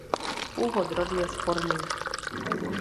Původ rodu je sporný.